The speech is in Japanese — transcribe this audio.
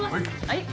はい。